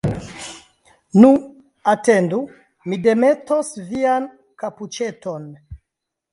Nu, atendu, mi demetos vian kapuĉeton!